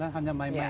hanya main main saja